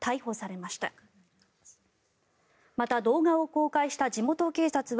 また、動画を公開した地元警察は